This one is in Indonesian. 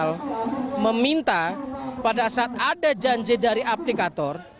kita meminta pada saat ada janji dari aplikator